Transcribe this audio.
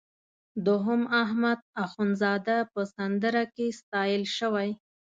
دوهم احمد اخوندزاده په سندره کې ستایل شوی.